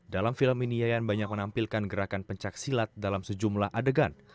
dalam film ini yayan banyak menampilkan gerakan pencaksilat dalam sejumlah adegan